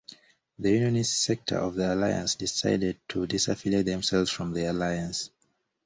The Unionist sector of the alliance, decided to disaffiliate themselves from the Alliance.